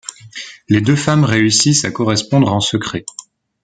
Les deux femmes réussissent à correspondre en secret.